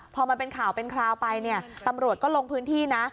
พอมันเป็นข่าวเป็นคราวไปเนี่ยตำรวจก็ลงพื้นที่นะ